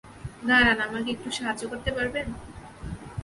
দাঁড়ান আমাকে একটু সাহায্য করতে পারবেন?